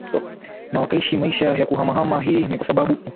na wakaishi maisha ya kuhamahama Hii ni kwa sababu